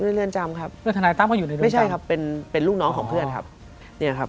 อยู่ในเรือนจำครับไม่ใช่ครับเป็นลูกน้องของเพื่อนครับอยู่ในเรือนจำครับ